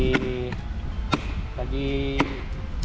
kadang kadang kalau lagi